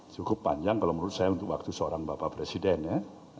cukup panjang kalau menurut saya untuk waktu seorang bapak presiden ya